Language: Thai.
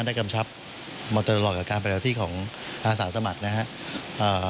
ได้กำชับเวลาประวัติศาสตร์สมัครนะฮะเอ่อ